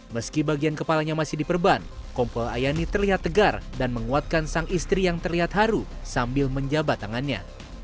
meski bagian kepalanya masih diperban kompol ayani terlihat tegar dan menguatkan sang istri yang terlihat haru sambil menjabat tangannya